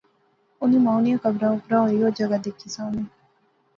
انی مائو نیاں قبرا اپرا ہوئی او جگہ دیکھی ساونے